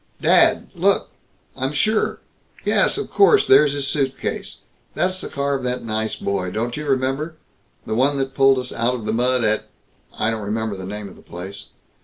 "Dad! Look! I'm sure yes, of course, there's his suitcase that's the car of that nice boy don't you remember? the one that pulled us out of the mud at I don't remember the name of the place.